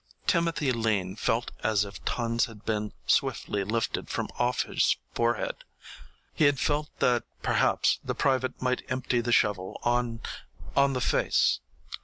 Timothy Lean felt as if tons had been swiftly lifted from off his forehead. He had felt that perhaps the private might empty the shovel on on the face.